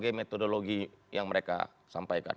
sebagai metodologi yang mereka sampaikan